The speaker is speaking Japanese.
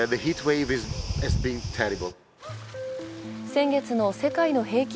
先月の世界の平均